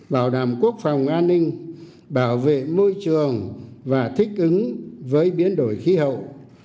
bảo đảm quốc phòng an ninh bảo vệ môi trường và thích ứng với biến đổi khí hậu